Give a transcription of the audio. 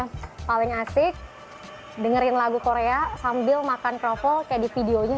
hmm emang ya paling asik dengerin lagu korea sambil makan kroffel kayak di videonya